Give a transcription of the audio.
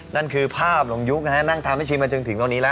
นั่นคือภาพหลงยุคนะฮะนั่งทำให้ชิมมาจนถึงตรงนี้แล้ว